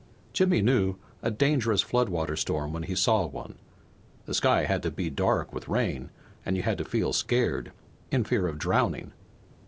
Jimmy knew a dangerous floodwater storm when he saw one. The sky had to be dark with rain, and you had to feel scared, in fear of drowning.